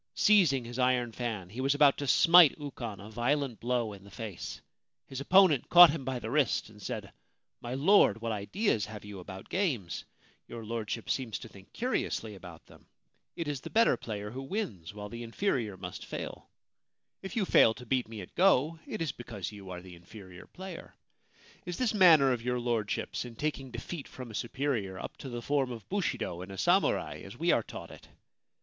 Seizing his iron fan, he was about to smite Ukon a violent blow in the face. His opponent caught him by the wrist, and said :* My Lord, what ideas have you about games ? Your Lordship seems to think curiously about them ! It is the better player who wins ; while the inferior must fail. If you fail to beat me at go, it is because you are the inferior player. Is this manner of your Lordship's in taking defeat from a superior up to the form of bushido in a samurai, as we are taught it